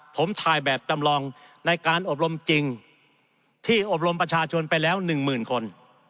ผมถ่ายแบบจำลองในการอบรมจริงที่อบรมประชาชนไปแล้วหนึ่งหมื่นคน